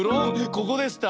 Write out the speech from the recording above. ここでした。